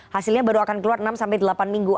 hasilnya baru akan keluar enam sampai delapan minggu